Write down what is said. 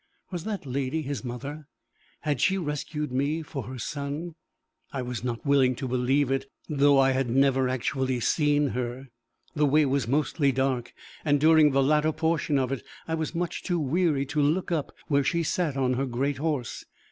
Was that lady his mother? Had she rescued me for her son? I was not willing to believe it, though I had never actually seen her. The way was mostly dark, and during the latter portion of it, I was much too weary to look up where she sat on her great horse.